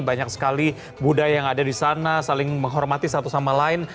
banyak sekali budaya yang ada di sana saling menghormati satu sama lain